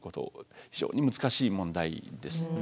非常に難しい問題です。